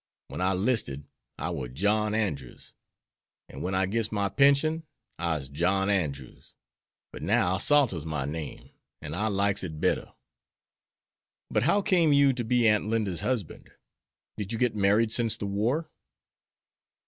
Wen I 'listed, I war John Andrews; and wen I gits my pension, I'se John Andrews; but now Salters is my name, an' I likes it better." "But how came you to be Aunt Linda's husband? Did you get married since the war?"